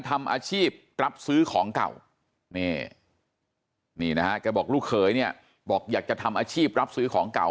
ทำอาชีพรับซื้อของเก่านี่นี่นะฮะแกบอกลูกเขยเนี่ยบอกอยากจะทำอาชีพรับซื้อของเก่า